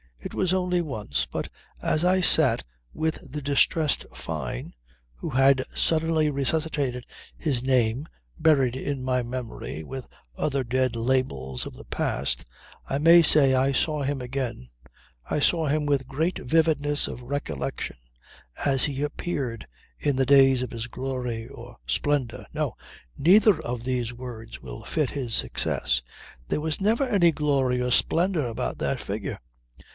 It was only once, but as I sat with the distressed Fyne who had suddenly resuscitated his name buried in my memory with other dead labels of the past, I may say I saw him again, I saw him with great vividness of recollection, as he appeared in the days of his glory or splendour. No! Neither of these words will fit his success. There was never any glory or splendour about that figure.